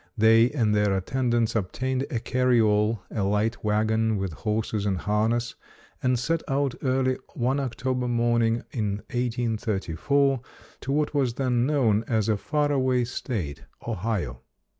They and their attendants obtained a carry all a light wagon with horses and harness and set out early one October morning, in 1834, to what was then known as a far away state Ohio.